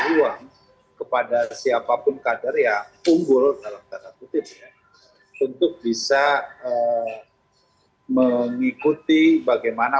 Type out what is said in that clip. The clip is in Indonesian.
ruang kepada siapapun kader yang unggul dalam tanda kutip ya untuk bisa mengikuti bagaimana